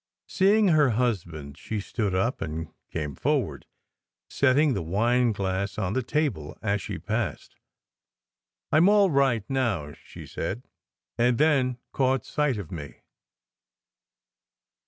Seeing her husband, she stood up and came forward, setting the wineglass on the table as she passed. "I m all right now," she said, and then caught sight of me.